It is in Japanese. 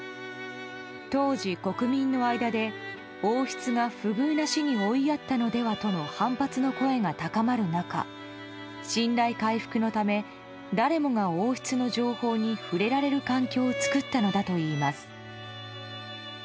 当時、国民の間で王室が不遇な死に追いやったのではとの反発の声が高まる中信頼回復のため誰もが王室の情報に触れられる環境を作ったのだといいます。